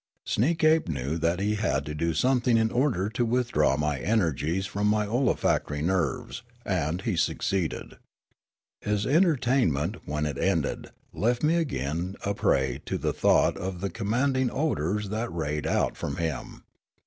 Sneekape knew that he had to do something in order to withdraw my energies from my olfactory nerves ; and he succeeded. His entertainment, when it ended, left me again a prej^ to the thought of the commanding odours that rayed out from him.